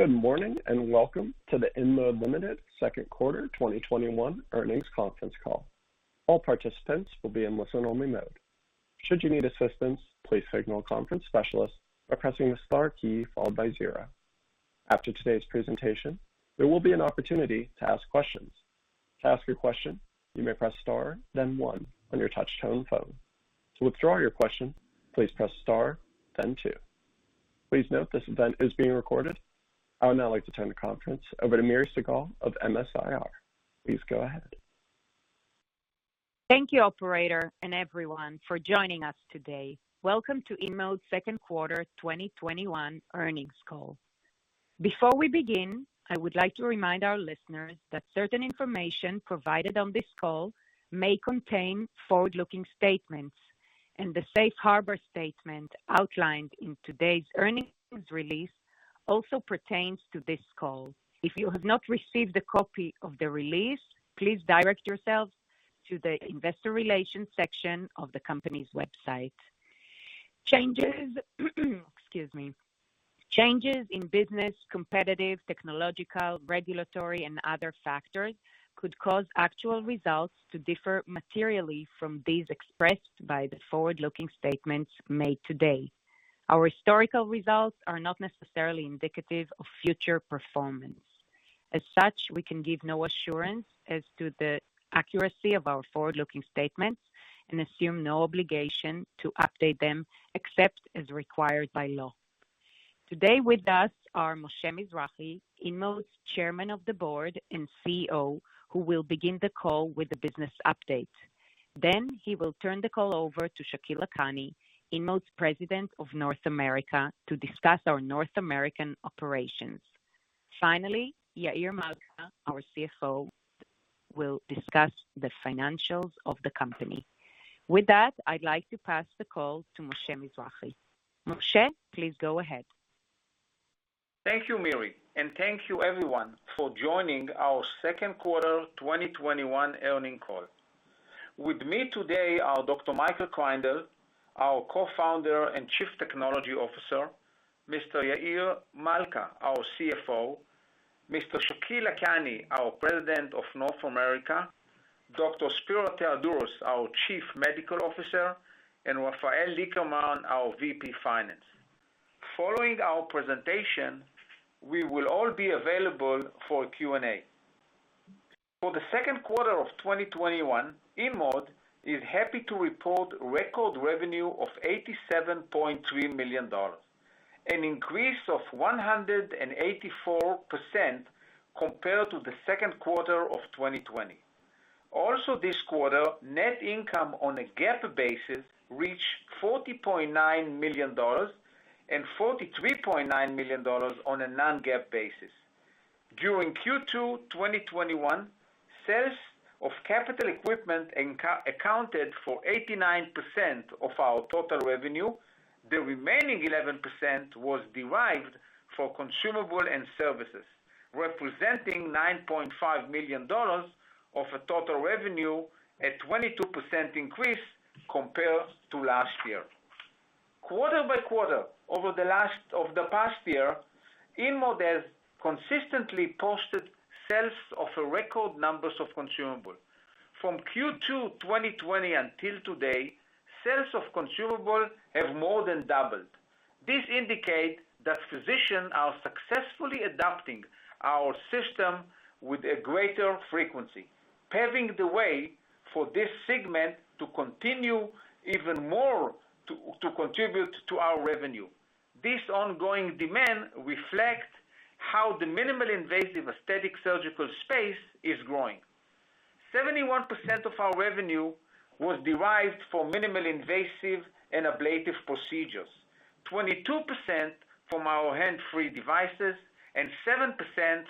Good morning, and welcome to the InMode Ltd. second quarter 2021 earnings conference call. All participants will be in a listen-only mode. Should you need assistance, please signal a conference specialist by pressing the star key followed by zero. After today's presentation, there will be an opportunity to ask question. To ask a question you may press star then one on your touch-tone phone. To withdraw your question, please press star then two. Please note, this event is being recorded. I would now like to turn the conference over to Miri Segal of MS-IR. Please go ahead. Thank you operator and everyone for joining us today. Welcome to InMode's second quarter 2021 earnings call. Before we begin, I would like to remind our listeners that certain information provided on this call may contain forward-looking statements, and the safe harbor statement outlined in today's earnings release also pertains to this call. If you have not received a copy of the release, please direct yourself to the investor relations section of the company's website. Changes in business, competitive, technological, regulatory, and other factors could cause actual results to differ materially from these expressed by the forward-looking statements made today. Our historical results are not necessarily indicative of future performance. As such, we can give no assurance as to the accuracy of our forward-looking statements and assume no obligation to update them except as required by law. Today with us are Moshe Mizrahy, InMode's Chairman of the Board and CEO, who will begin the call with a business update. Then, he will turn the call over to Shakil Lakhani, InMode's President of North America, to discuss our North American operations. Finally, Yair Malca, our CFO, will discuss the financials of the company. With that, I'd like to pass the call to Moshe Mizrahy. Moshe, please go ahead. Thank you, Miri, and thank you everyone for joining our second quarter 2021 earning call. With me today are Dr. Michael Kreindel, our Co-founder and Chief Technology Officer, Mr. Yair Malca, our CFO, Mr. Shakil Lakhani, our President of North America, Dr. Spero Theodorou, our Chief Medical Officer, and Rafael Lickerman, our VP Finance. Following our presentation, we will all be available for Q&A. For the second quarter of 2021, InMode is happy to report record revenue of $87.3 million, an increase of 184% compared to the second quarter of 2020. Also this quarter, net income on a GAAP basis reached $40.9 million and $43.9 million on a non-GAAP basis. During Q2 2021, sales of capital equipment accounted for 89% of our total revenue. The remaining 11% was derived for consumable and services, representing $9.5 million of total revenue, a 22% increase compared to last year. Quarter by quarter, over the past year, InMode has consistently posted sales of a record number of consumable. From Q2 2020 until today, sales of consumable have more than doubled. This indicate that physicians are successfully adopting our system with a greater frequency, paving the way for this segment to continue even more to contribute to our revenue. This ongoing demand reflects how the minimally invasive aesthetic surgical space is growing. 71% of our revenue was derived for minimal invasive and ablative procedures, 22% from our hand-free devices, and 7%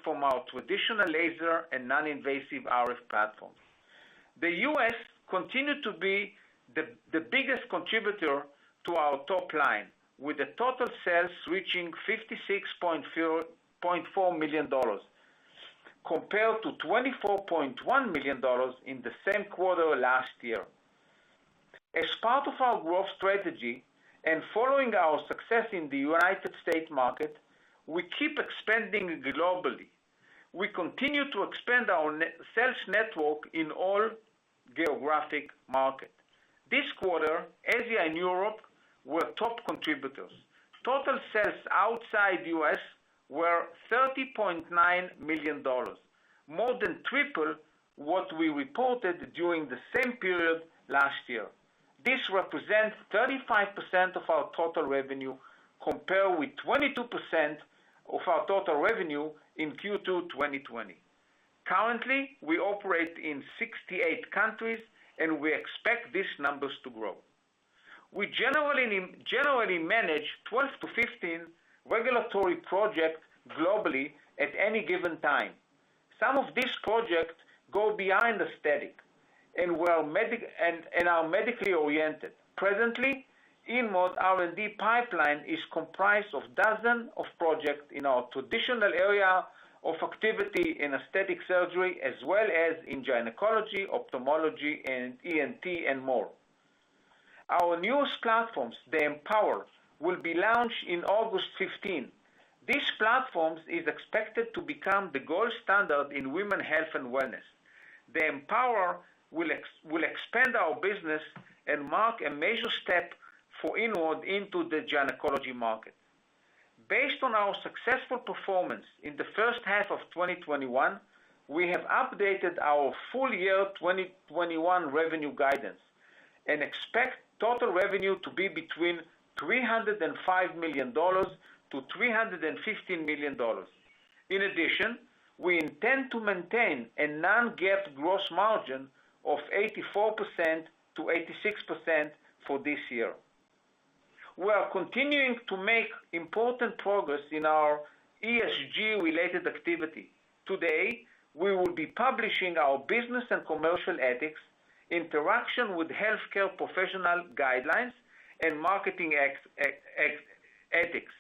from our traditional laser and non-invasive RF platforms. The U.S. continued to be the biggest contributor to our top line, with the total sales reaching $56.4 million compared to $24.1 million in the same quarter last year. As part of our growth strategy and following our success in the United States market, we keep expanding globally. We continue to expand our sales network in all geographic markets. This quarter, Asia and Europe were top contributors. Total sales outside U.S. were $30.9 million, more than triple what we reported during the same period last year. This represents 35% of our total revenue compared with 22% of our total revenue in Q2 2020. Currently, we operate in 68 countries, and we expect these numbers to grow. We generally manage 12 to 15 regulatory projects globally at any given time. Some of these projects go beyond aesthetic and are medically oriented. Presently, InMode R&D pipeline is comprised of dozens of projects in our traditional area of activity in aesthetic surgery, as well as in gynecology, ophthalmology, and ENT, and more. Our newest platforms, the EmpowerRF, will be launched in August 15. These platforms is expected to become the gold standard in women health and wellness. The EmpowerRF will expand our business and mark a major step for InMode into the gynecology market. Based on our successful performance in the first half of 2021, we have updated our full year 2021 revenue guidance and expect total revenue to be between $305 million-$315 million. In addition, we intend to maintain a non-GAAP gross margin of 84%-86% for this year. We are continuing to make important progress in our ESG related activity. Today, we will be publishing our business and commercial ethics, interaction with healthcare professional guidelines, and marketing ethics.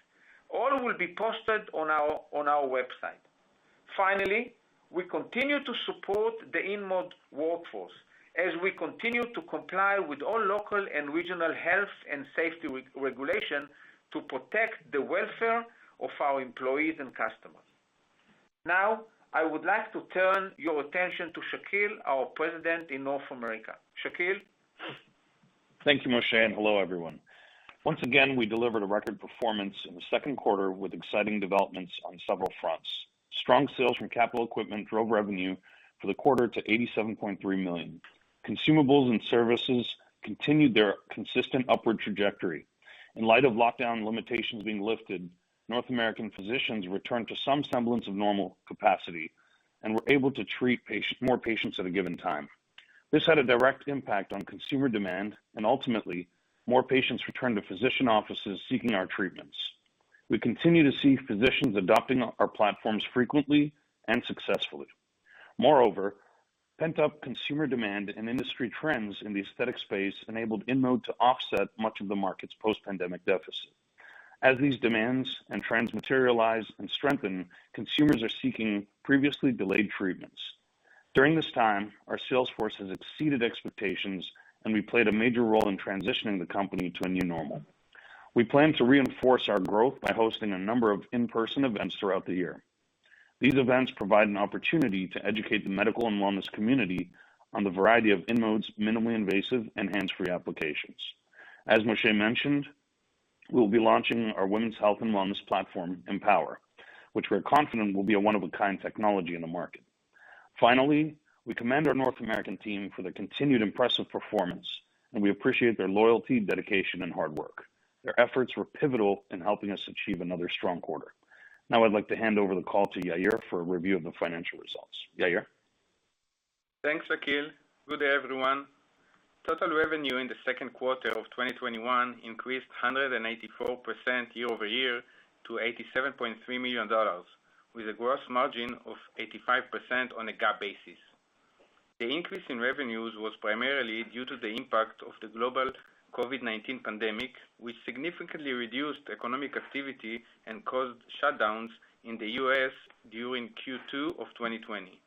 All will be posted on our website. Finally, we continue to support the InMode workforce as we continue to comply with all local and regional health and safety regulation to protect the welfare of our employees and customers. Now, I would like to turn your attention to Shakil, our president in North America. Shakil? Thank you, Moshe, and hello, everyone. Once again, we delivered a record performance in the second quarter with exciting developments on several fronts. Strong sales from capital equipment drove revenue for the quarter to $87.3 million. Consumables and services continued their consistent upward trajectory. In light of lockdown limitations being lifted, North American physicians returned to some semblance of normal capacity and were able to treat more patients at a given time. This had a direct impact on consumer demand, and ultimately, more patients returned to physician offices seeking our treatments. We continue to see physicians adopting our platforms frequently and successfully. Moreover, pent-up consumer demand and industry trends in the aesthetic space enabled InMode to offset much of the market's post-pandemic deficit. As these demands and trends materialize and strengthen, consumers are seeking previously delayed treatments. During this time, our sales force has exceeded expectations, and we played a major role in transitioning the company to a new normal. We plan to reinforce our growth by hosting a number of in-person events throughout the year. These events provide an opportunity to educate the medical and wellness community on the variety of InMode's minimally invasive and hands-free applications. As Moshe mentioned, we'll be launching our women's health and wellness platform, EmpowerRF, which we're confident will be a one-of-a-kind technology in the market. Finally, we commend our North American team for their continued impressive performance, and we appreciate their loyalty, dedication, and hard work. Their efforts were pivotal in helping us achieve another strong quarter. Now I'd like to hand over the call to Yair for a review of the financial results. Yair? Thanks, Shakil. Good day, everyone. Total revenue in the second quarter of 2021 increased 184% year-over-year to $87.3 million, with a gross margin of 85% on a GAAP basis. The increase in revenues was primarily due to the impact of the global COVID-19 pandemic, which significantly reduced economic activity and caused shutdowns in the U.S. during Q2 of 2020.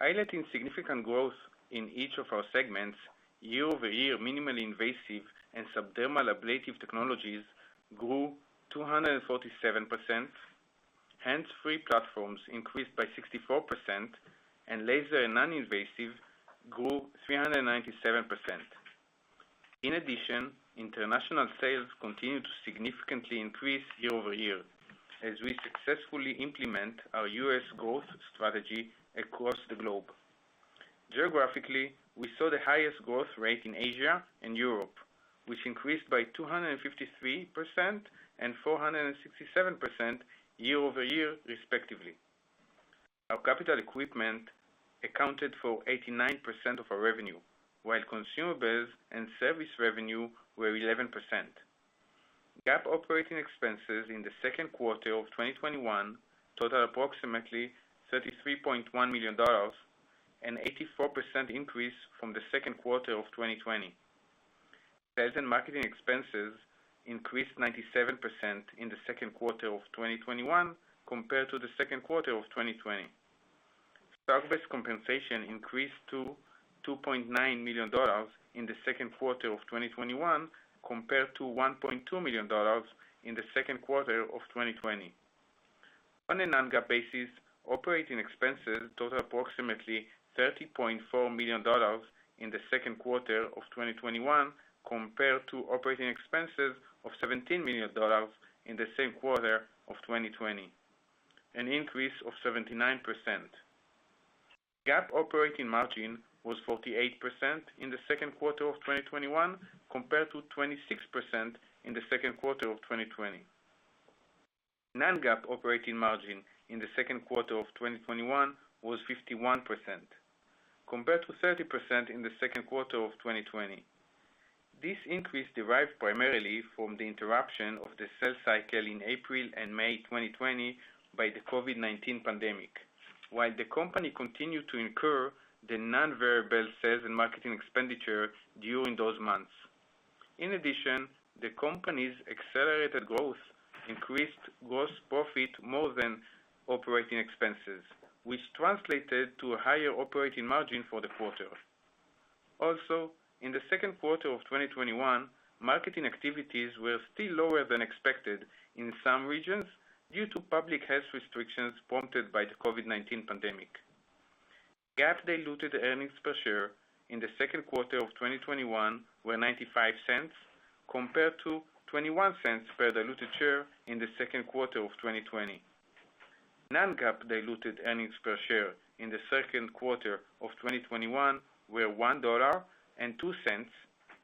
Highlighting significant growth in each of our segments, year-over-year minimally invasive and subdermal ablative technologies grew 247%, hands-free platforms increased by 64%, and laser and non-invasive grew 397%. In addition, international sales continued to significantly increase year-over-year as we successfully implement our U.S. growth strategy across the globe. Geographically, we saw the highest growth rate in Asia and Europe, which increased by 253% and 467% year-over-year, respectively. Our capital equipment accounted for 89% of our revenue, while consumables and service revenue were 11%. GAAP operating expenses in the second quarter of 2021 totaled approximately $33.1 million, an 84% increase from the second quarter of 2020. Sales and marketing expenses increased 97% in the second quarter of 2021 compared to the second quarter of 2020. Stock-based compensation increased to $2.9 million in the second quarter of 2021 compared to $1.2 million in the second quarter of 2020. On a non-GAAP basis, operating expenses totaled approximately $30.4 million in the second quarter of 2021 compared to operating expenses of $17 million in the same quarter of 2020, an increase of 79%. GAAP operating margin was 48% in the second quarter of 2021, compared to 26% in the second quarter of 2020. Non-GAAP operating margin in the second quarter of 2021 was 51%, compared to 30% in the second quarter of 2020. This increase derived primarily from the interruption of the sales cycle in April and May 2020 by the COVID-19 pandemic, while the company continued to incur the non-variable sales and marketing expenditure during those months. In addition, the company's accelerated growth increased gross profit more than operating expenses, which translated to a higher operating margin for the quarter. In the second quarter of 2021, marketing activities were still lower than expected in some regions due to public health restrictions prompted by the COVID-19 pandemic. GAAP diluted earnings per share in the second quarter of 2021 were $0.95 compared to $0.21 per diluted share in the second quarter of 2020. Non-GAAP diluted earnings per share in the second quarter of 2021 were $1.02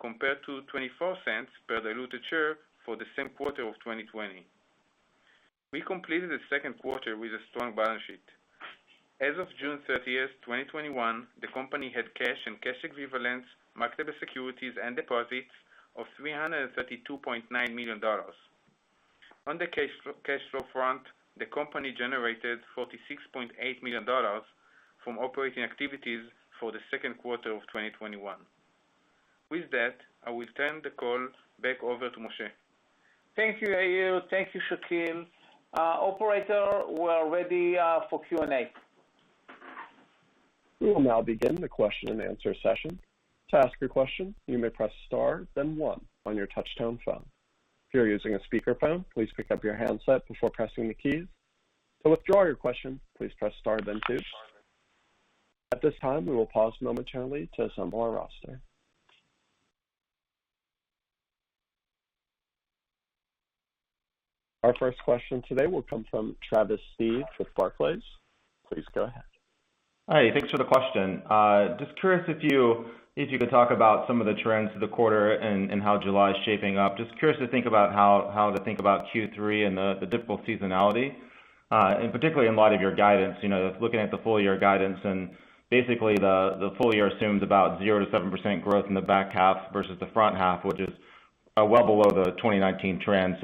compared to $0.24 per diluted share for the same quarter of 2020. We completed the second quarter with a strong balance sheet. As of June 30th, 2021, the company had cash and cash equivalents, marketable securities, and deposits of $332.9 million. On the cash flow front, the company generated $46.8 million from operating activities for the second quarter of 2021. With that, I will turn the call back over to Moshe. Thank you, Yair. Thank you, Shakil. Operator, we are ready for Q&A. We will now begin the question and answer session. To ask your question, you may press star then one on your touch-tone phone. If you are using a speakerphone, please pick up your handset before pressing the keys. To withdraw your question, please press star then two. At this time, we will pause momentarily to assemble our roster. Our first question today will come from Travis Steed with Barclays. Please go ahead. Hi. Thanks for the question. Just curious if you could talk about some of the trends for the quarter and how July is shaping up. Just curious to think about how to think about Q3 and the difficult seasonality, and particularly in light of your guidance, you know, looking at the full-year guidance and basically the full year assumes about 0%-7% growth in the back half versus the front half, which is well below the 2019 trend.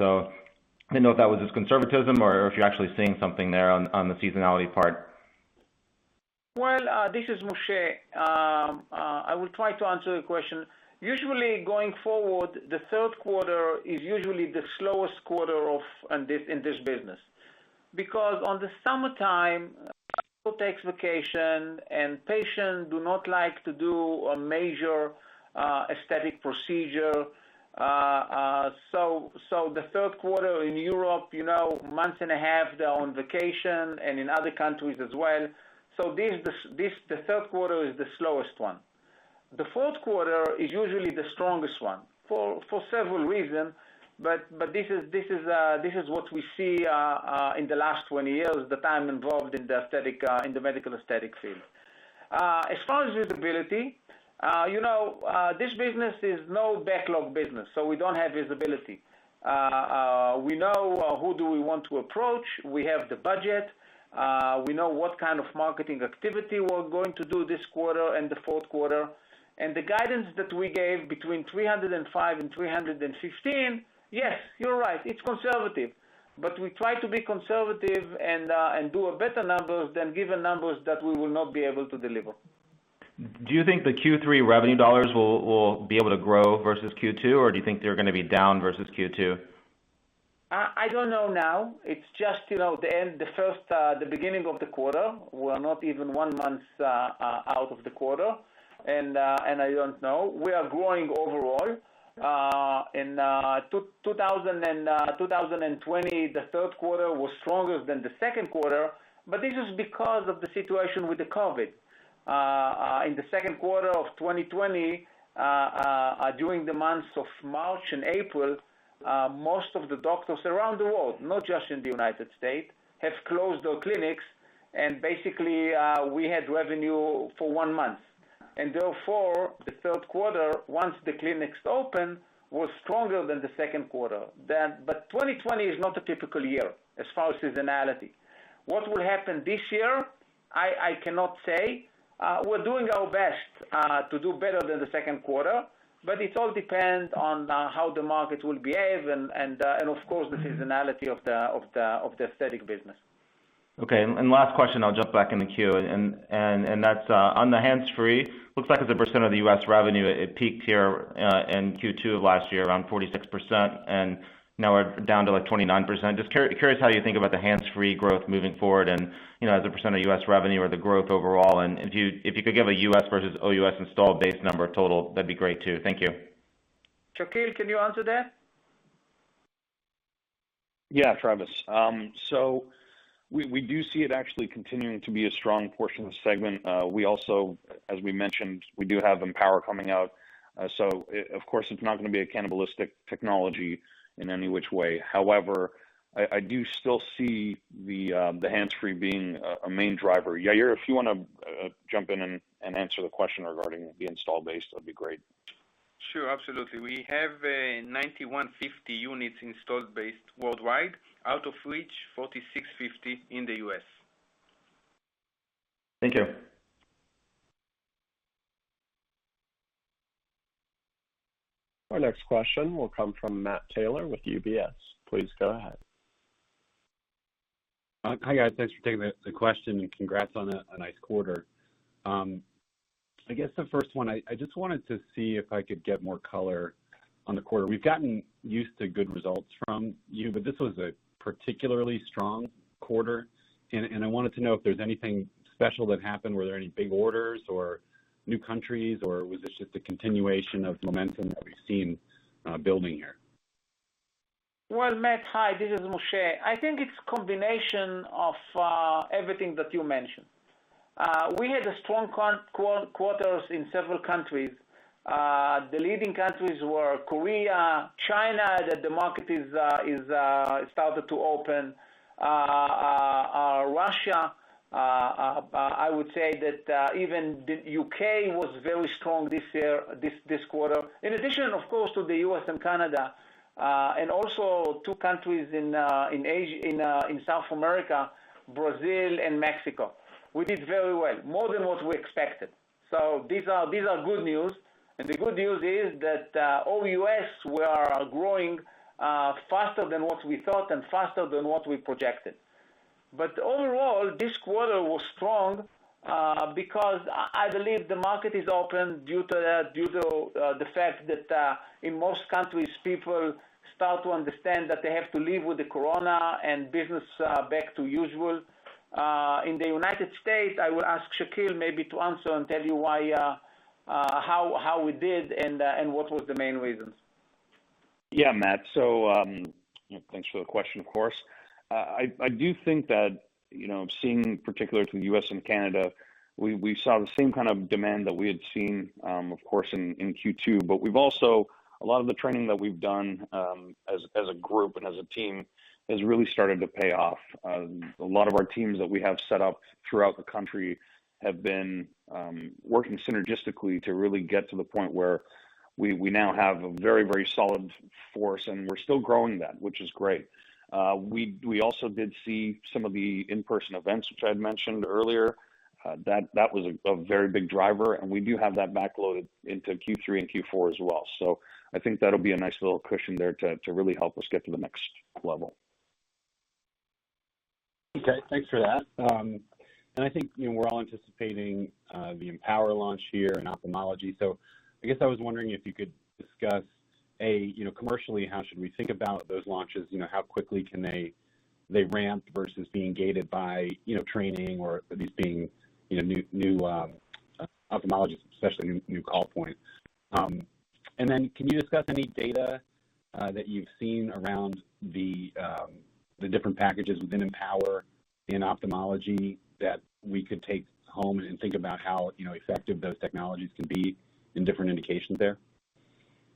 I didn't know if that was just conservatism or if you're actually seeing something there on the seasonality part. This is Moshe. I will try to answer your question. Usually, going forward, the third quarter is usually the slowest quarter in this business, because on the summertime, people takes vacation and patients do not like to do a major aesthetic procedure. The third quarter in Europe, you know, month and a half, they're on vacation, and in other countries as well. The third quarter is the slowest one. The fourth quarter is usually the strongest one for several reasons, but this is what we see in the last 20 years that I'm involved in the medical aesthetic field. As far as visibility, you know, this business is no backlog business, so we don't have visibility. We know who do we want to approach. We have the budget. We know what kind of marketing activity we're going to do this quarter and the fourth quarter, and the guidance that we gave between 305 and 315, yes, you're right, it's conservative, but we try to be conservative and do a better number than give numbers that we will not be able to deliver. Do you think the Q3 revenue dollars will be able to grow versus Q2, or do you think they're going to be down versus Q2? I don't know now. It's just, you know, the beginning of the quarter. We're not even 1 month out of the quarter, and I don't know. We are growing overall. In 2020, the third quarter was stronger than the second quarter, but this is because of the situation with the COVID. In the second quarter of 2020, during the months of March and April, most of the doctors around the world, not just in the United States, have closed their clinics and basically, we had revenue for 1 month. Therefore, the third quarter, once the clinics opened, was stronger than the second quarter, but 2020 is not a typical year as far as seasonality. What will happen this year, I cannot say. We're doing our best to do better than the second quarter, but it all depends on how the market will behave and, of course, the seasonality of the aesthetic business. Okay. Last question, I'll jump back in the queue and that's on the hands-free, looks like as a percent of the U.S. revenue, it peaked here in Q2 of last year, around 46%, and now we're down to like 29%. Curious how you think about the hands-free growth moving forward and as a percent of U.S. revenue or the growth overall, and if you could give a U.S. versus OUS installed base number total, that'd be great, too. Thank you. Shakil, can you answer that? Yeah, Travis. We do see it actually continuing to be a strong portion of the segment. We also, as we mentioned, we do have EmpowerRF coming out, so of course, it's not going to be a cannibalistic technology in any which way. However, I do still see the hands-free being a main driver. Yair, if you want to jump in and answer the question regarding the install base, that'd be great. Sure, absolutely. We have 9,150 units installed base worldwide, out of which 4,650 in the U.S. Thank you. Our next question will come from Matt Taylor with UBS. Please go ahead. Hi, guys. Thanks for taking the question, and congrats on a nice quarter. I guess the first one, I just wanted to see if I could get more color on the quarter. We've gotten used to good results from you, but this was a particularly strong quarter, and I wanted to know if there's anything special that happened. Were there any big orders or new countries, or was this just a continuation of momentum that we've seen building here? Matt, hi. This is Moshe. I think it's a combination of everything that you mentioned. We had strong quarters in several countries. The leading countries were Korea, China, that the market has started to open, Russia. I would say that even the U.K. was very strong this quarter, in addition, of course, to the U.S. and Canada, and also two countries in South America, Brazil and Mexico. We did very well, more than what we expected. These are good news. The good news is that OUS, we are growing faster than what we thought and faster than what we projected. Overall, this quarter was strong because I believe the market is open due to the fact that, in most countries, people start to understand that they have to live with the corona and business back to usual. In the United States, I will ask Shakil maybe to answer and tell you how we did and what was the main reasons. Yeah, Matt. Thanks for the question, of course. I do think that, seeing particularly to the U.S. and Canada, we saw the same kind of demand that we had seen, of course, in Q2. We've also, a lot of the training that we've done, as a group and as a team, has really started to pay off. A lot of our teams that we have set up throughout the country have been working synergistically to really get to the point where we now have a very solid force, and we're still growing that, which is great. We also did see some of the in-person events, which I had mentioned earlier. That was a very big driver, and we do have that backloaded into Q3 and Q4 as well. I think that'll be a nice little cushion there to really help us get to the next level. Okay, thanks for that. I think we're all anticipating the EmpowerRF launch here in ophthalmology. I guess I was wondering if you could discuss, A, commercially, how should we think about those launches? How quickly can they ramp versus being gated by training or these being new ophthalmologists, especially new call points? Can you discuss any data that you've seen around the different packages within EmpowerRF in ophthalmology that we could take home and think about how effective those technologies can be in different indications there?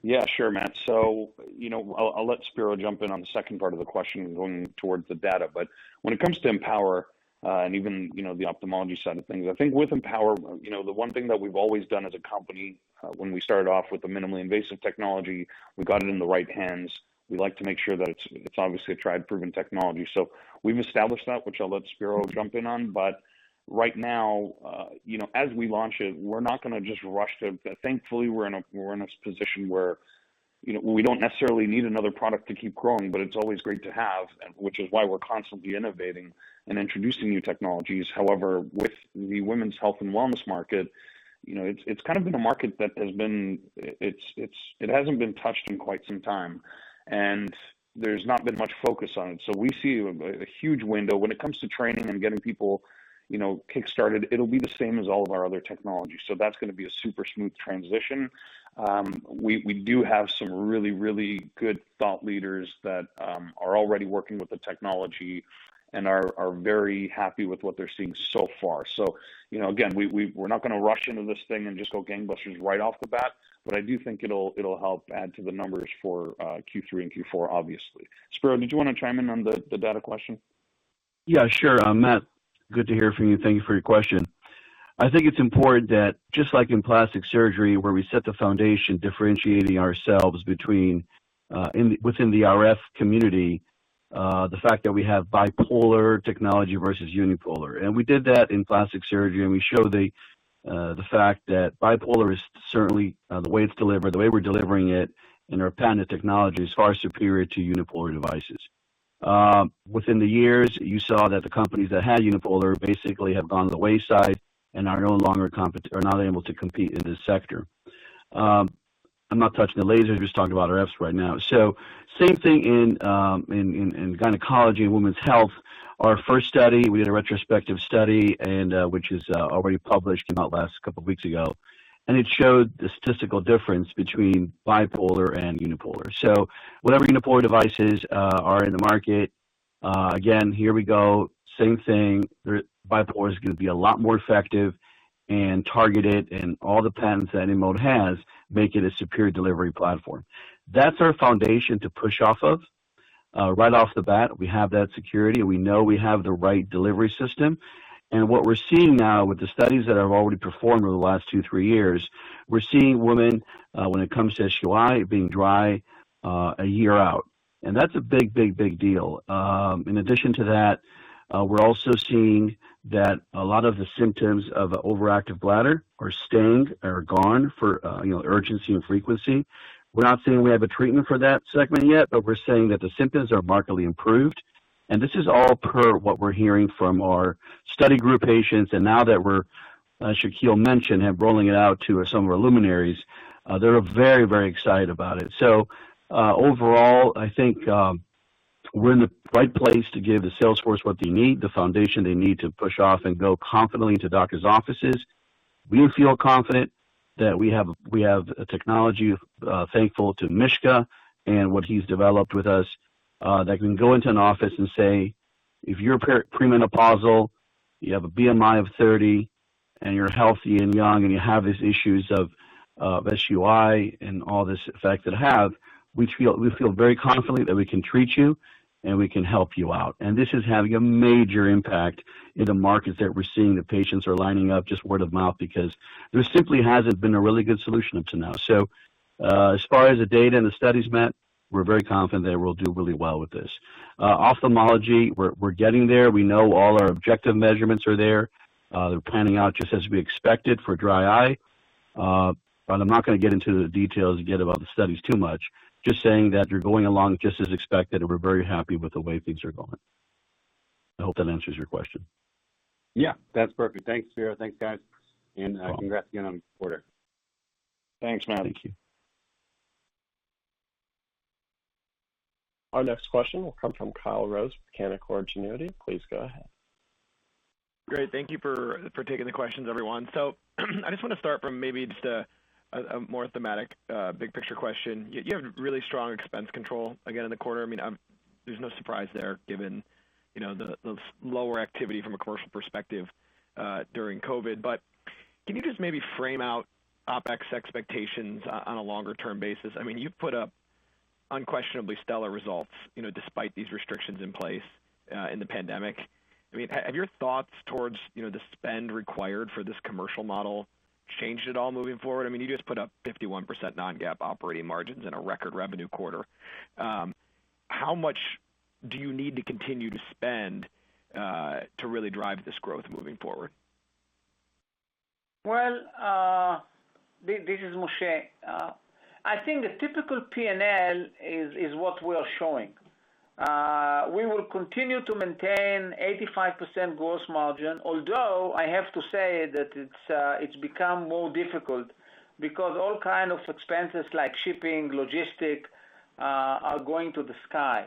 Yeah, sure, Matt. I'll let Spero Theodorou jump in on the second part of the question going towards the data. When it comes to EmpowerRF, and even the ophthalmology side of things, I think with EmpowerRF, you know, the one thing that we've always done as a company, when we started off with the minimally invasive technology, we got it in the right hands. We like to make sure that it's obviously a tried-and-proven technology. We've established that, which I'll let Spero jump in on, but right now, as we launch it, thankfully, we're in a position where we don't necessarily need another product to keep growing, but it's always great to have, which is why we're constantly innovating and introducing new technologies. However, with the women's health and wellness market, it's kind of been a market that hasn't been touched in quite some time, and there's not been much focus on it. We see a huge window. When it comes to training and getting people, you know, kick-started, it'll be the same as all of our other technologies. That's going to be a super smooth transition. We do have some really good thought leaders that are already working with the technology and are very happy with what they're seeing so far. Again, we're not going to rush into this thing and just go gangbusters right off the bat, but I do think it'll help add to the numbers for Q3 and Q4, obviously. Spero, did you want to chime in on the data question? Sure. Matt, good to hear from you. Thank you for your question. I think it's important that just like in plastic surgery, where we set the foundation differentiating ourselves between, within the RF community, the fact that we have bipolar technology versus unipolar. We did that in plastic surgery, and we show the fact that bipolar is certainly, the way it's delivered, the way we're delivering it in our patented technology, is far superior to unipolar devices. Within the years, you saw that the companies that had unipolar basically have gone to the wayside and are not able to compete in this sector. I'm not touching the laser, I'm just talking about RFs right now. Same thing in gynecology and women's health. Our first study, we did a retrospective study, which is already published, came out last couple weeks ago, and it showed the statistical difference between bipolar and unipolar. Whatever unipolar devices are in the market, again, here we go, same thing. Bipolar is going to be a lot more effective and targeted, and all the patents that InMode has make it a superior delivery platform. That's our foundation to push off of. Right off the bat, we have that security, and we know we have the right delivery system. What we're seeing now with the studies that I've already performed over the last two, three years, we're seeing women, when it comes to SUI, being dry one year out. That's a big deal. In addition to that, we're also seeing that a lot of the symptoms of overactive bladder are staying or gone for urgency and frequency. We're not saying we have a treatment for that segment yet, but we're saying that the symptoms are markedly improved. This is all per what we're hearing from our study group patients, and now that we're, as Shakil mentioned, have rolling it out to some of our luminaries, they're very, very excited about it. Overall, I think we're in the right place to give the sales force what they need, the foundation they need to push off and go confidently into doctors' offices. We feel confident that we have a technology, thankful to Mishka and what he's developed with us, that can go into an office and say, "If you're premenopausal, you have a BMI of 30, and you're healthy and young, and you have these issues of SUI and all this effect that it have, we feel very confident that we can treat you, and we can help you out." This is having a major impact in the markets that we're seeing. The patients are lining up just word of mouth because there simply hasn't been a really good solution up to now. As far as the data and the studies met, we're very confident that it will do really well with this. Ophthalmology, we're getting there. We know all our objective measurements are there. They're panning out just as we expected for dry eye. I'm not going to get into the details again about the studies too much, just saying that they're going along just as expected, and we're very happy with the way things are going. I hope that answers your question. Yeah, that's perfect. Thanks, Spero. Thanks, guys. No problem. Congrats again on the quarter. Thanks, Matt. Our next question will come from Kyle Rose, Canaccord Genuity. Please go ahead. Great. Thank you for taking the questions, everyone. I just want to start from maybe just a more thematic, big-picture question. You have really strong expense control again in the quarter. There's no surprise there given, you know, the lower activity from a commercial perspective during COVID. Can you just maybe frame out OpEx expectations on a longer-term basis? You've put up unquestionably stellar results, you know, despite these restrictions in place in the pandemic. Have your thoughts towards the spend required for this commercial model changed at all moving forward? You just put up 51% non-GAAP operating margins in a record revenue quarter. How much do you need to continue to spend to really drive this growth moving forward? Well, this is Moshe. I think a typical P&L is what we are showing. We will continue to maintain 85% gross margin, although I have to say that it's become more difficult because all kind of expenses like shipping, logistic, are going to the sky.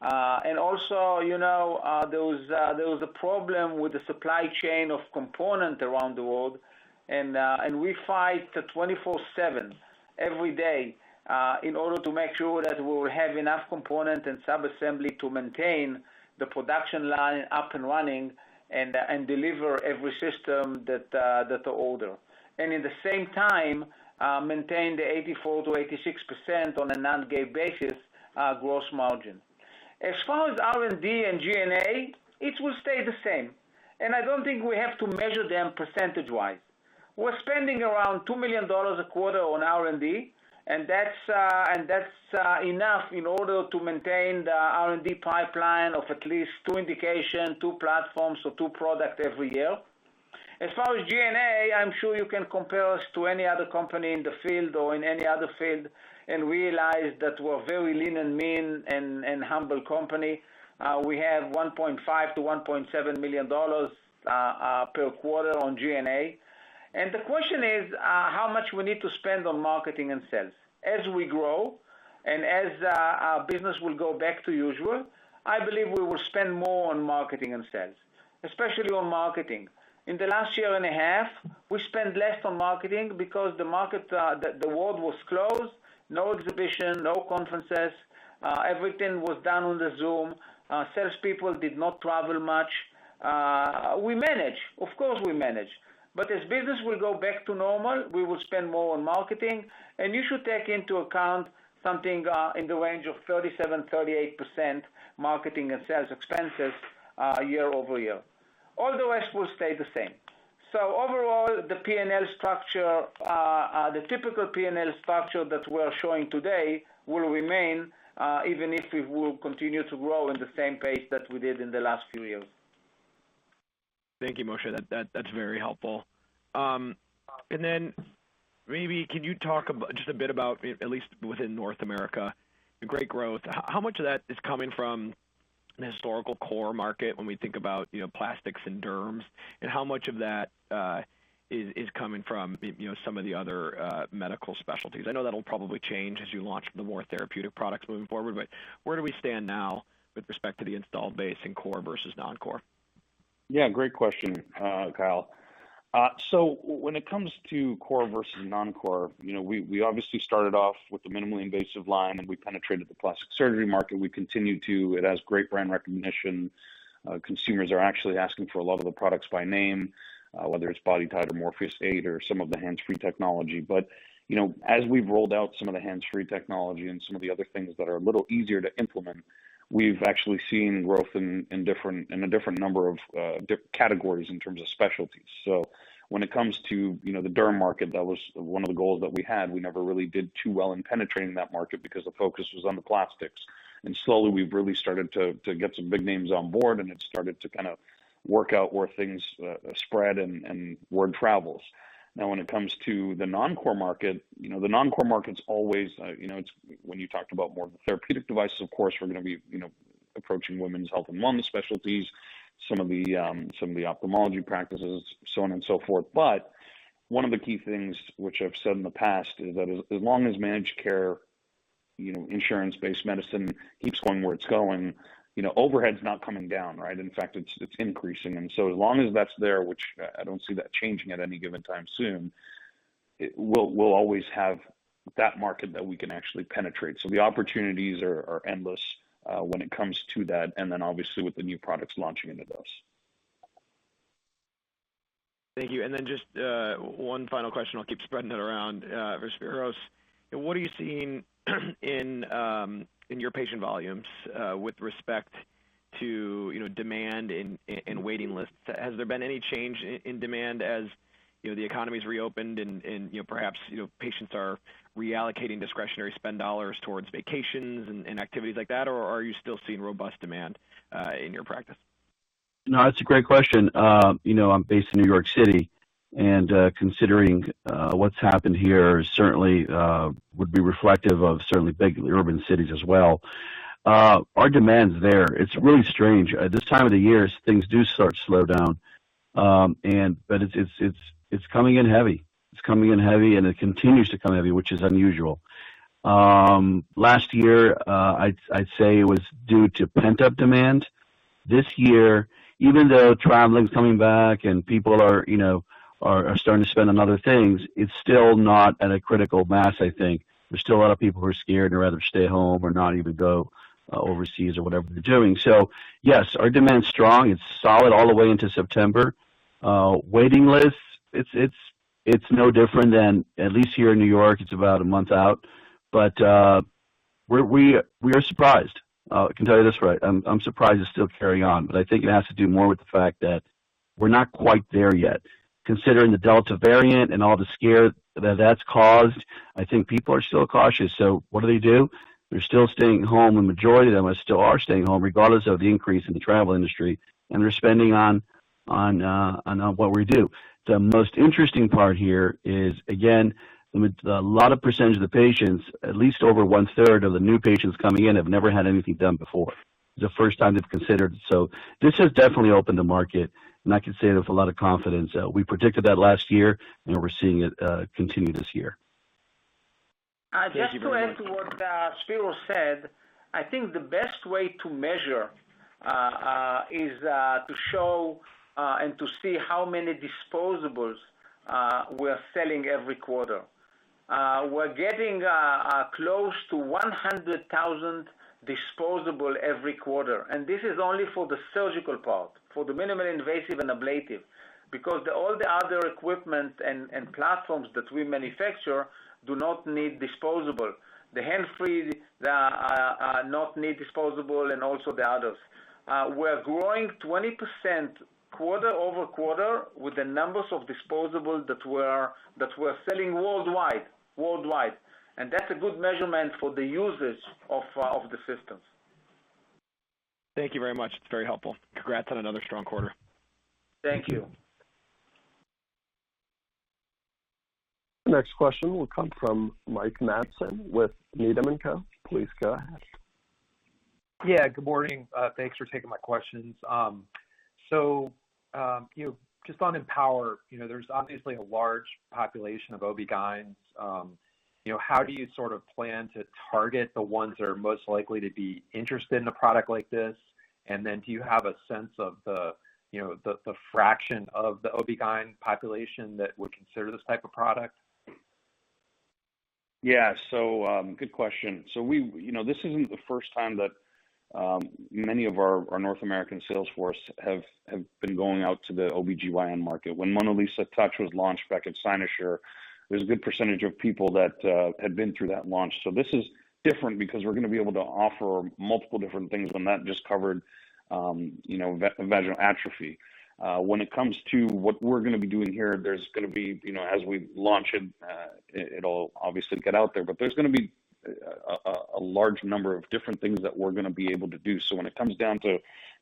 Also, you know, there was a problem with the supply chain of component around the world, and we fight 24/7 every day in order to make sure that we will have enough component and sub-assembly to maintain the production line up and running and deliver every system that order. In the same time, maintain the 84%-86% on a non-GAAP basis, gross margin. As far as R&D and G&A, it will stay the same. I don't think we have to measure them percentage-wise. We're spending around $2 million a quarter on R&D. That's enough in order to maintain the R&D pipeline of at least two indication, two platforms, so two product every year. As far as G&A, I'm sure you can compare us to any other company in the field or in any other field and realize that we're very lean and mean and humble company. We have $1.5 million-$1.7 million per quarter on G&A. The question is, how much we need to spend on marketing and sales. As we grow and as our business will go back to usual, I believe we will spend more on marketing and sales, especially on marketing. In the last year and a half, we spent less on marketing because the world was closed, no exhibition, no conferences. Everything was done on the Zoom. Salespeople did not travel much. We manage, of course, we manage. As business will go back to normal, we will spend more on marketing, and you should take into account something in the range of 37%-38% marketing and sales expenses year-over-year. All the rest will stay the same. Overall, the P&L structure, the typical P&L structure that we're showing today will remain, even if we will continue to grow in the same pace that we did in the last few years. Thank you, Moshe. That's very helpful. Maybe can you talk just a bit about, at least within North America, the great growth, how much of that is coming from the historical core market when we think about plastics and derms? How much of that is coming from some of the other medical specialties? I know that'll probably change as you launch the more therapeutic products moving forward, but where do we stand now with respect to the installed base in core versus non-core? Yeah, great question, Kyle. When it comes to core versus non-core, we obviously started off with the minimally invasive line, and we penetrated the plastic surgery market. We continue to. It has great brand recognition. Consumers are actually asking for a lot of the products by name, whether it's BodyTite or Morpheus8 or some of the hands-free technology. As we've rolled out some of the hands-free technology and some of the other things that are a little easier to implement, we've actually seen growth in a different number of categories in terms of specialties. When it comes to, you know, the derm market, that was one of the goals that we had. We never really did too well in penetrating that market because the focus was on the plastics. Slowly, we've really started to get some big names on board, and it started to kind of work out where things spread and word travels. When it comes to the non-core market, the non-core market's always, when you talked about more of the therapeutic devices, of course, we're going to be approaching women's health and wellness specialties, some of the ophthalmology practices, so on and so forth. One of the key things which I've said in the past is that as long as managed care, insurance-based medicine keeps going where it's going, overhead's not coming down, right. In fact, it's increasing. As long as that's there, which I don't see that changing at any given time soon, we'll always have that market that we can actually penetrate. The opportunities are endless when it comes to that, and then obviously with the new products launching into this. Thank you. Just one final question, I'll keep spreading it around. For Spero Theodorou, what are you seeing in your patient volumes with respect to demand and waiting lists? Has there been any change in demand as, you know, the economy's reopened and perhaps patients are reallocating discretionary spend dollars towards vacations and activities like that? or are you still seeing robust demand in your practice? No, that's a great question. I'm based in New York City, and considering what's happened here certainly would be reflective of certainly big urban cities as well. Our demand's there. It's really strange. At this time of the year, things do start to slow down, but it's coming in heavy. It's coming in heavy, and it continues to come heavy, which is unusual. Last year, I'd say it was due to pent-up demand. This year, even though traveling's coming back and people are, you know, starting to spend on other things, it's still not at a critical mass, I think. There's still a lot of people who are scared and would rather stay home or not even go overseas or whatever they're doing. Yes, our demand's strong. It's solid all the way into September. Waiting list, it's no different than, at least here in New York, it's about a month out. We are surprised. I can tell you this right, I'm surprised it's still carrying on. I think it has to do more with the fact that we're not quite there yet. Considering the Delta variant and all the scare that that's caused, I think people are still cautious. What do they do? They're still staying home, the majority of them still are staying home, regardless of the increase in the travel industry, and they're spending on what we do. The most interesting part here is, again, a lot of percentage of the patients, at least over one-third of the new patients coming in, have never had anything done before. The first time they've considered it. This has definitely opened the market, and I can say it with a lot of confidence. We predicted that last year, and we're seeing it continue this year. Thank you very much. Just to add to what Spero said, I think the best way to measure is to show and to see how many disposables we are selling every quarter. We're getting close to 100,000 disposable every quarter, this is only for the surgical part, for the minimal invasive and ablative. Because all the other equipment and platforms that we manufacture do not need disposable. The hands-free do not need disposable, and also the others. We're growing 20% quarter-over-quarter with the numbers of disposables that we're selling worldwide. That's a good measurement for the users of the systems. Thank you very much. It's very helpful. Congrats on another strong quarter. Thank you. Thank you. Next question will come from Mike Matson with Needham & Company. Please go ahead. Yeah, good morning. Thanks for taking my questions. Just on EmpowerRF, there's obviously a large population of OB-GYNs. How do you sort of plan to target the ones that are most likely to be interested in a product like this? Do you have a sense of the fraction of the OB-GYN population that would consider this type of product? Yeah. Good question. This isn't the first time that many of our North American sales force have been going out to the OB-GYN market. When MonaLisa Touch was launched back at Cynosure, there's a good percentage of people that had been through that launch. This is different because we're going to be able to offer multiple different things, and that just covered vaginal atrophy. When it comes to what we're going to be doing here, as we launch it'll obviously get out there, but there's going to be a large number of different things that we're going to be able to do. When it comes down to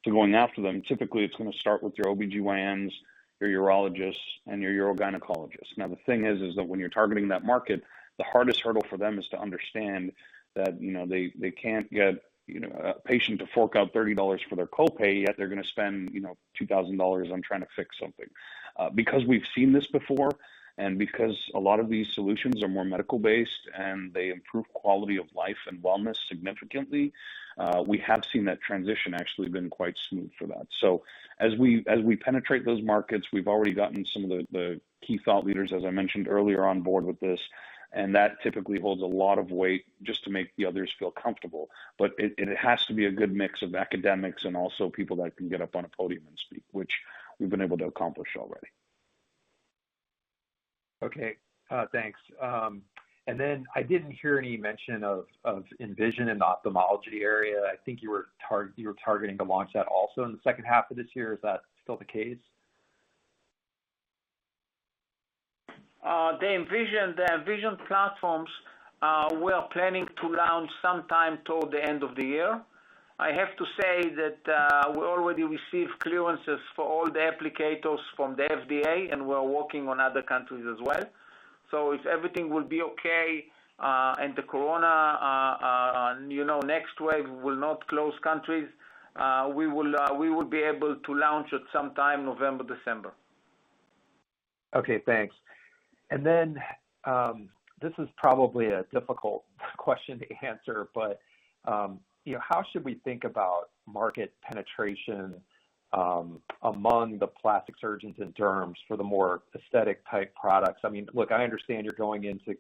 going after them, typically it's going to start with your OB-GYNs, your urologists, and your urogynecologists. Now, the thing is that when you're targeting that market, the hardest hurdle for them is to understand that they can't get a patient to fork out $30 for their copay, yet they're going to spend $2,000 on trying to fix something. Because we've seen this before and because a lot of these solutions are more medical-based and they improve quality of life and wellness significantly, we have seen that transition actually been quite smooth for that. As we penetrate those markets, we've already gotten some of the key thought leaders, as I mentioned earlier, on board with this, and that typically holds a lot of weight just to make the others feel comfortable. It has to be a good mix of academics and also people that can get up on a podium and speak, which we've been able to accomplish already. Okay. Thanks. I didn't hear any mention of Envision in the ophthalmology area. I think you were targeting to launch that also in the second half of this year. Is that still the case? The Envision platforms, we are planning to launch sometime toward the end of the year. I have to say that we already received clearances for all the applicators from the FDA, and we're working on other countries as well. If everything will be okay and the Corona, you know, the next wave will not close countries, we would be able to launch at some time November, December. Okay, thanks. This is probably a difficult question to answer, but how should we think about market penetration among the plastic surgeons and derms for the more aesthetic type products? Look, I understand you're going into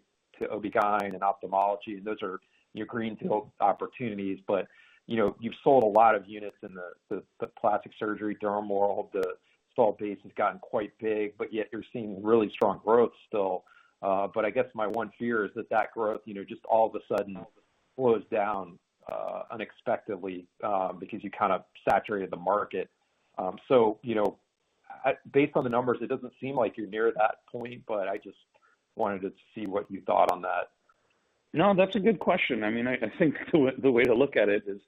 OB-GYN and ophthalmology. Those are your greenfield opportunities, but you've sold a lot of units in the plastic surgery, dermal world. The install base has gotten quite big, yet you're seeing really strong growth still. I guess my one fear is that growth, just all of a sudden slows down unexpectedly, because you kind of saturated the market. Based on the numbers, it doesn't seem like you're near that point, but I just wanted to see what you thought on that. No, that's a good question. I think the way to look at it is,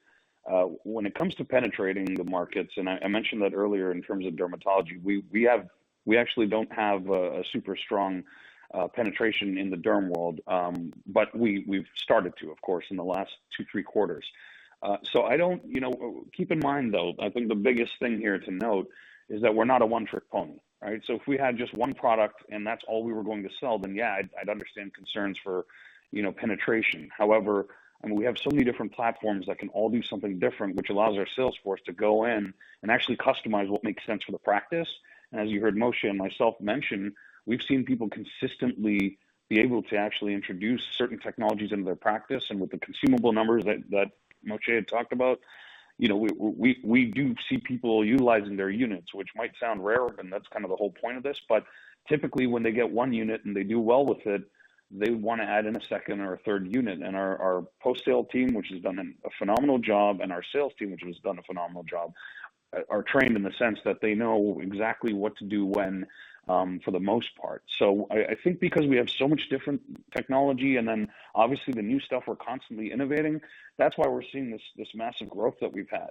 when it comes to penetrating the markets, I mentioned that earlier in terms of dermatology, we actually don't have a super strong penetration in the derm world. We've started to, of course, in the last two, three quarters. Keep in mind, though, I think the biggest thing here to note is that we're not a one-trick pony, right? If we had just one product and that's all we were going to sell, yeah, I'd understand concerns for penetration. However, we have so many different platforms that can all do something different, which allows our sales force to go in and actually customize what makes sense for the practice. As you heard Moshe Mizrahy and myself mention, we've seen people consistently be able to actually introduce certain technologies into their practice. With the consumable numbers that Moshe had talked about, we do see people utilizing their units, which might sound rare, and that's kind of the whole point of this, but typically when they get one unit and they do well with it, they want to add in a second or a third unit. Our post-sale team, which has done a phenomenal job, and our sales team, which has done a phenomenal job, are trained in the sense that they know exactly what to do when, for the most part. I think because we have so much different technology and then obviously the new stuff we're constantly innovating, that's why we're seeing this massive growth that we've had.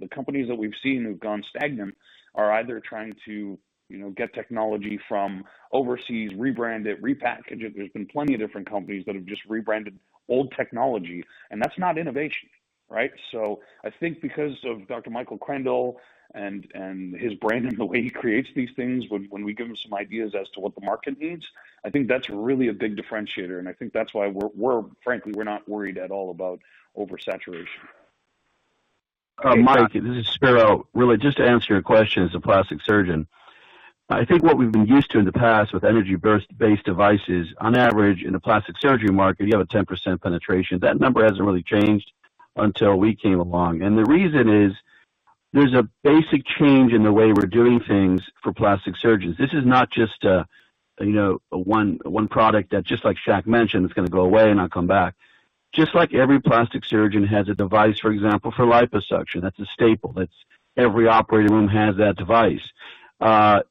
The companies that we've seen who've gone stagnant are either trying to get technology from overseas, rebrand it, repackage it. There's been plenty of different companies that have just rebranded old technology, and that's not innovation, right? I think because of Dr. Michael Kreindel and his brain and the way he creates these things, when we give him some ideas as to what the market needs, I think that's really a big differentiator, and I think that's why, frankly, we're not worried at all about oversaturation. Okay, got it. Thank you. Mike, this is Spero. Really, just to answer your question as a plastic surgeon, I think what we've been used to in the past with energy-based devices, on average in the plastic surgery market, you have a 10% penetration. That number hasn't really changed until we came along. The reason is, there's a basic change in the way we're doing things for plastic surgeons. This is not just one product that just like Shakil mentioned, it's going to go away and not come back. Just like every plastic surgeon has a device, for example, for liposuction. That's a staple. Every operating room has that device. The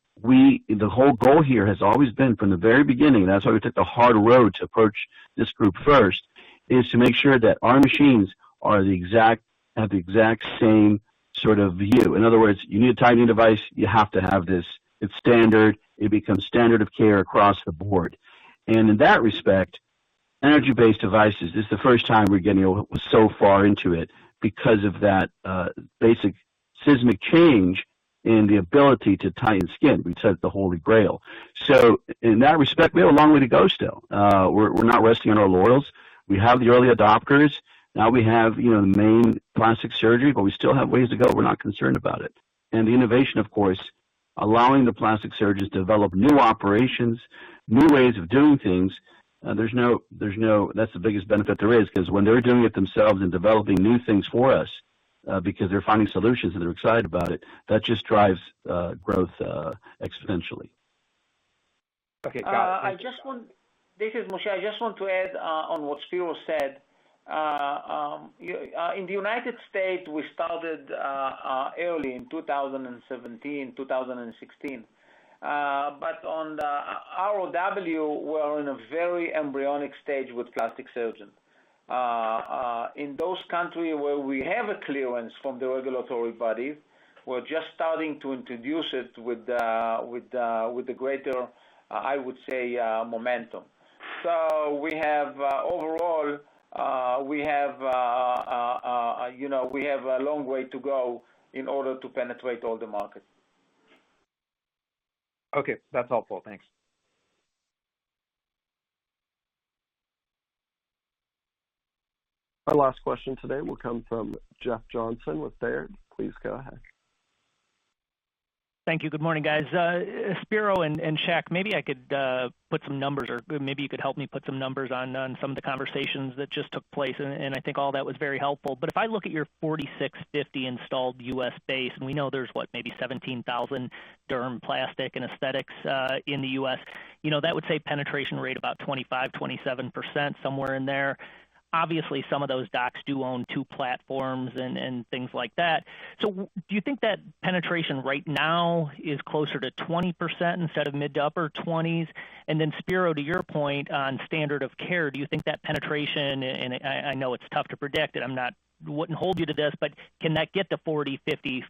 whole goal here has always been from the very beginning, that's why we took the hard road to approach this group first, is to make sure that our machines have the exact same sort of view. In other words, you need a tightening device, you have to have this. It's standard. It becomes standard of care across the board. In that respect, energy-based devices, this is the first time we're getting so far into it because of that basic seismic change in the ability to tighten skin. We said it's the Holy Grail. In that respect, we have a long way to go still. We're not resting on our laurels. We have the early adopters. Now, we have, you know, the main plastic surgery, but we still have ways to go. We're not concerned about it. The innovation, of course, allowing the plastic surgeons to develop new operations, new ways of doing things, that's the biggest benefit there is, because when they're doing it themselves and developing new things for us, because they're finding solutions and they're excited about it, that just drives growth exponentially. Okay, got it. Thank you. This is Moshe. I just want to add on what Spero said. In the United States, we started early in 2017, 2016, but on the ROW, we're in a very embryonic stage with plastic surgeons. In those countries where we have a clearance from the regulatory bodies, we're just starting to introduce it with a greater, I would say, momentum. Overall, we have a long way to go in order to penetrate all the markets. Okay. That's helpful. Thanks. Our last question today will come from Jeff Johnson with Baird. Please go ahead. Thank you. Good morning, guys. Spero and Shakil, maybe I could put some numbers or maybe you could help me put some numbers on some of the conversations that just took place, and I think all that was very helpful. If I look at your 4,650 installed U.S. base, and we know there's, what, maybe 17,000 derm, plastic, and aesthetics in the U.S., you know, that would say penetration rate about 25%-27%, somewhere in there. Obviously, some of those docs do own two platforms and things like that. Do you think that penetration right now is closer to 20% instead of mid to upper 20s? Spero, to your point on standard of care, do you think that penetration, I know it's tough to predict it, I wouldn't hold you to this, but can that get to 40%-50%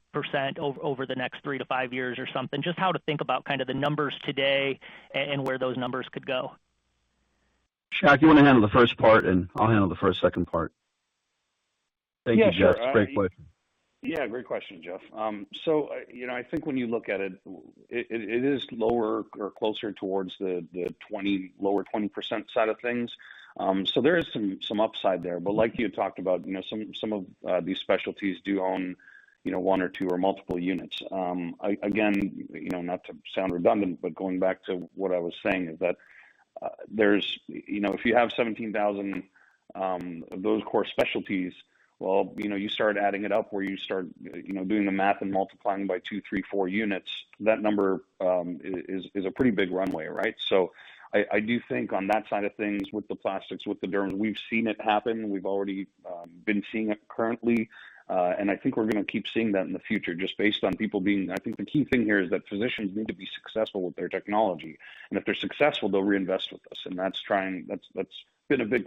over the next 3 to 5 years or something? Just how to think about kind of the numbers today and where those numbers could go? Shakil, you want to handle the first part, and I'll handle the second part. Thank you, Jeff. Great question. Yeah, great question, Jeff. I think when you look at it is lower or closer towards the lower 20% side of things. There is some upside there. Like you had talked about, some of these specialties do own one or two or multiple units. Again, not to sound redundant, but going back to what I was saying, but if you have 17,000 of those core specialties, well, you start adding it up where you start doing the math and multiplying by two, three, four units, that number is a pretty big runway, right? I do think on that side of things, with the plastics, with the derm, we've seen it happen. We've already been seeing it currently, and I think we're going to keep seeing that in the future, just based on people being, I think the key thing here is that physicians need to be successful with their technology, and if they're successful, they'll reinvest with us, and that's been a big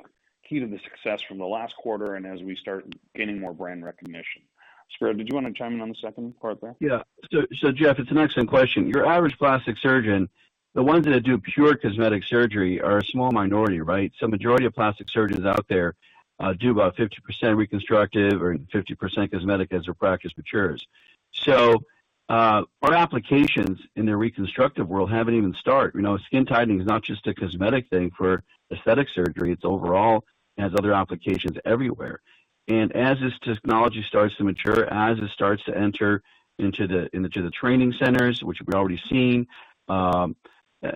key to the success from the last quarter and as we start gaining more brand recognition. Spero, did you want to chime in on the second part there? Jeff, it's an excellent question. Your average plastic surgeon, the ones that do pure cosmetic surgery are a small minority, right? Majority of plastic surgeons out there do about 50% reconstructive or 50% cosmetic as their practice matures. Our applications in the reconstructive world haven't even started. Skin tightening is not just a cosmetic thing for aesthetic surgery, it's overall, has other applications everywhere. As this technology starts to mature, as it starts to enter into the training centers, which we've already seen,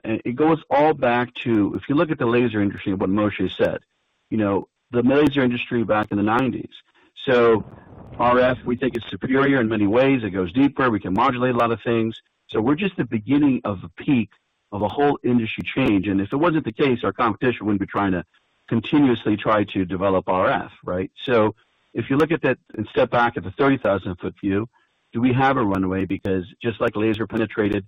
it goes all back to, if you look at the laser industry and what Moshe said, the laser industry back in the '90s. RF, we think it's superior in many ways. It goes deeper. We can modulate a lot of things. We're just at the beginning of a peak of a whole industry change, and if it wasn't the case, our competition wouldn't be trying to continuously try to develop RF, right? If you look at that and step back at the 30,000-foot view, do we have a runway? Just like laser penetrated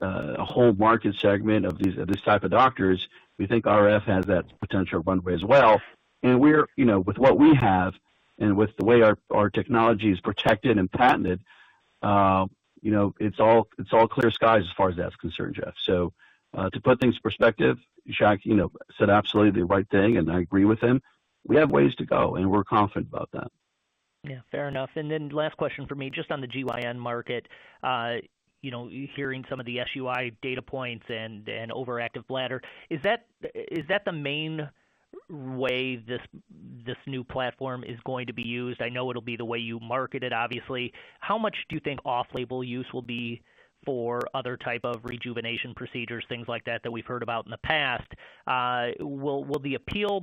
a whole market segment of these type of doctors, we think RF has that potential runway as well. With what we have and with the way our technology is protected and patented, you know, it's all clear skies as far as that's concerned, Jeff. To put things in perspective, Shakil said absolutely the right thing, and I agree with him. We have ways to go, and we're confident about that. Yeah. Fair enough. Last question from me, just on the GYN market. Hearing some of the SUI data points and overactive bladder, is that the main way this new platform is going to be used? I know it'll be the way you market it, obviously. How much do you think off-label use will be for other type of rejuvenation procedures, things like that we've heard about in the past? Will the appeal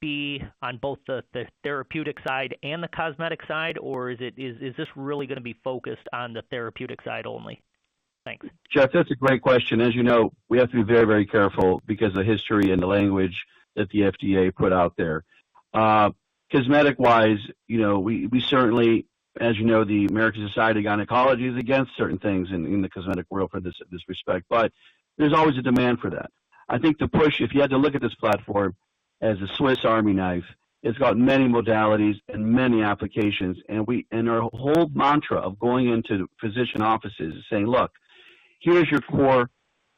be on both the therapeutic side and the cosmetic side, or is this really going to be focused on the therapeutic side only? Thanks. Jeff, that's a great question. As you know, we have to be very careful because of the history and the language that the FDA put out there. Cosmetic-wise, we certainly, as you know, the American Gynecological & Obstetrical Society is against certain things in the cosmetic world for this respect, but there's always a demand for that. I think the push, if you had to look at this platform as a Swiss army knife, it's got many modalities and many applications, and our whole mantra of going into physician offices and saying, "Look, here's your core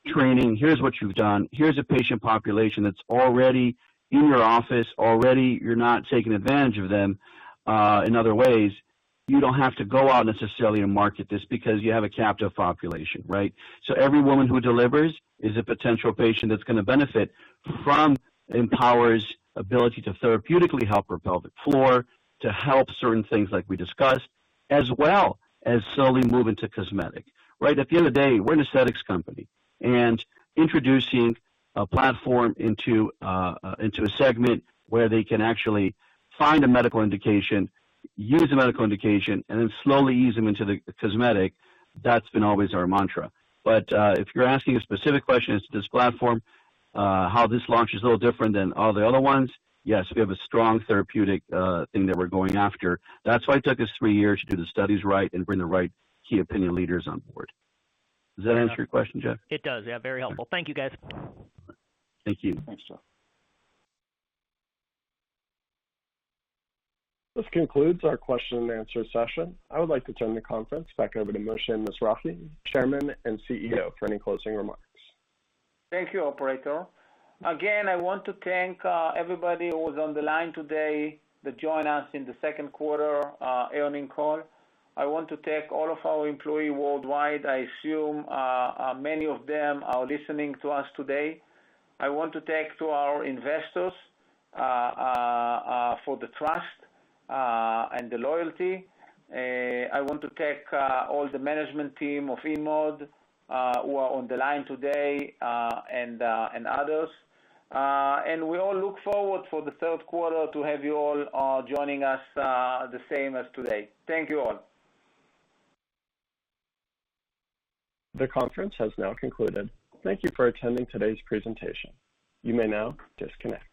training. Here's what you've done. Here's a patient population that's already in your office, already you're not taking advantage of them in other ways. You don't have to go out necessarily and market this because you have a captive population," right? Every woman who delivers is a potential patient that's going to benefit from Empower's ability to therapeutically help her pelvic floor, to help certain things like we discussed, as well as slowly move into cosmetic. Right? At the end of the day, we're an aesthetics company, and introducing a platform into a segment where they can actually find a medical indication, use a medical indication, and then slowly ease them into the cosmetic, that's been always our mantra. If you're asking a specific question as to this platform, how this launch is a little different than all the other ones, yes, we have a strong therapeutic thing that we're going after. That's why it took us three years to do the studies right and bring the right key opinion leaders on board. Does that answer your question, Jeff? It does, yeah. Very helpful. Thank you, guys. Thank you. Thanks, Jeff. This concludes our question and answer session. I would like to turn the conference back over to Moshe Mizrahy, Chairman and CEO, for any closing remarks. Thank you, operator. Again, I want to thank everybody who was on the line today that joined us in the second quarter earnings call. I want to thank all of our employee worldwide. I assume many of them are listening to us today. I want to thank to our investors for the trust and the loyalty. I want to thank all the management team of InMode who are on the line today, and others. We all look forward for the third quarter to have you all joining us the same as today. Thank you all. The conference has now concluded. Thank you for attending today's presentation. You may now disconnect.